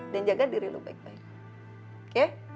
dan jaga diri lo baik baik